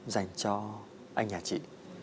dành cho anh nhà chị